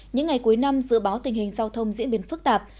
những ngày cuối năm dự báo tình hình giao thông diễn biến phức tạp